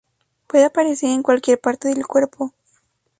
Puede aparecer en cualquier parte del cuerpo.